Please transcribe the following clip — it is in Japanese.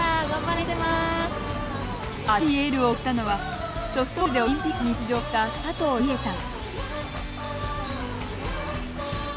熱いエールを送ったのはソフトボールでオリンピックに出場した佐藤理恵さん。